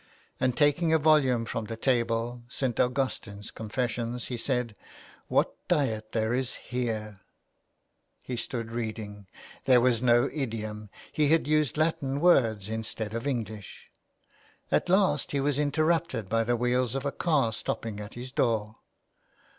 And taking a volume from the table —'' St. Augustine's Confes sions "— he said, " what diet there is here !" He stood reading. There was no idiom, he had used Latin words instead of English. At last he was interrupted by the wheels of a car stopping at his door.